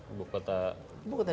ibu kota indonesia